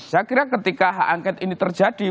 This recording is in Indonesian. saya kira ketika hak angket ini terjadi